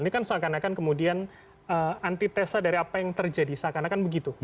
ini kan seakan akan kemudian antitesa dari apa yang terjadi seakan akan begitu